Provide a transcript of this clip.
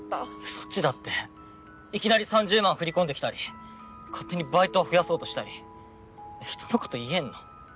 そっちだっていきなり３０万振り込んできたり勝手にバイトを増やそうとしたり人のこと言えんの？